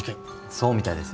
そうみたいですね。